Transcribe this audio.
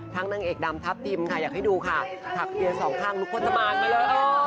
ทั้งนางเอกดำทัพติมค่ะอยากให้ดูค่ะถักเกลียดสองข้างลูกผู้สมานมาเลย